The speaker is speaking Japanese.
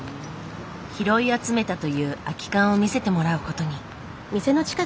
拾い集めたという空き缶を見せてもらうことに。